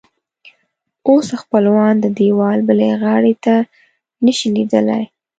اوس خپلوان د دیوال بلې غاړې ته نه شي لیدلی.